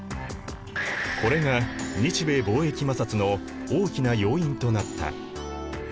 これが日米貿易摩擦の大きな要因となった。